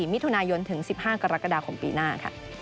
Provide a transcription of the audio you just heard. มิถุนายนถึง๑๕กรกฎาคมปีหน้าค่ะ